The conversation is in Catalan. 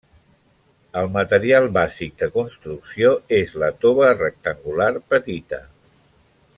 El material bàsic de construcció és la tova rectangular petita.